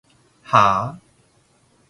はぁ？